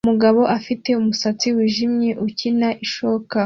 Umugabo ufite umusatsi wijimye ukina ishoka